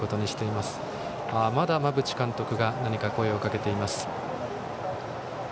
まだ馬淵監督が何か声をかけていました。